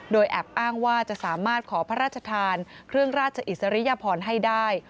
โดยแอบอ้างว่าจะสามารถขอพระราชทานเครื่องราชอิสริยพรให้ได้